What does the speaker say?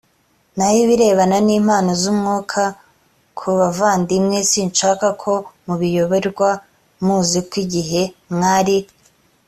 naho ibirebana n impano z umwuka k bavandimwe sinshaka ko mubiyoberwa muzi ko igihe mwari